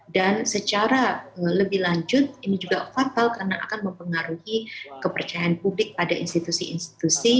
dan secara lebih lanjut ini juga fatal karena akan mempengaruhi kepercayaan publik pada institusi institusi